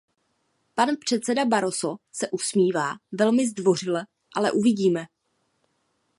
Pan předseda Barroso se usmívá velmi zdvořile, ale uvidíme.